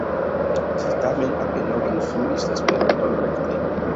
Ĝi tamen apenaŭ influis Esperanton rekte.